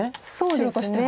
白としては。